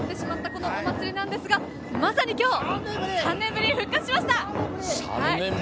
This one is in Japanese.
このお祭りですが、まさに今日３年ぶりに復活しました！